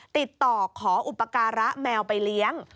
ติดต่อขออุปการะแมวไปเลี้ยง